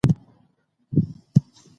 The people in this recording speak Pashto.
چي جوړ کړی چا